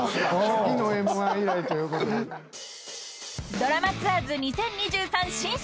［『ドラマツアーズ２０２３新春』